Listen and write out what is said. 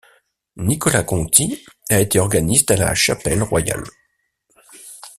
Nicola Conti a été organiste à la Chapelle royale.